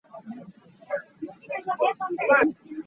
A hlan ahcun mi cung ah a rak lal ngai.